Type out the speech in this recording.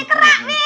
ini kerak bi